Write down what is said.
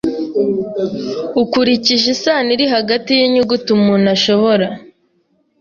Ukurikije isano iri hagati yinyuguti umuntu ashobora